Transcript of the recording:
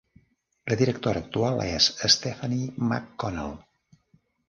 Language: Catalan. La directora actual és Stephanie McConnell.